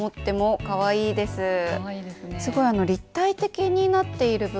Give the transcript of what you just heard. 立体的になっている分